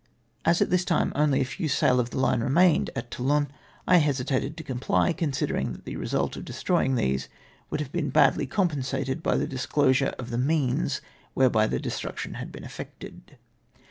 • As at this time only a few sail of the line remained at Toulon, I hesitated to comply, con sidering tliat the result of destroying these would have ])een badly compensated l)y the disclosure of the means whereby their destruction had l)een effected.